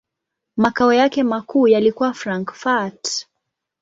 Makao yake makuu yalikuwa Frankfurt.